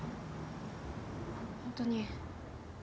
ホントに。